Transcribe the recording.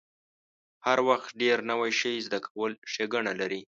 هر وخت ډیر نوی شی زده کول ښېګڼه لري.